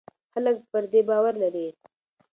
خلک پر دې باور لري.